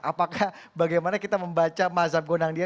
apakah bagaimana kita membaca mazhab gonang dia